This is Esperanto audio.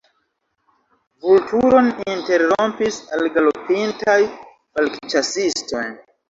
Vulturon interrompis algalopintaj falkĉasistoj.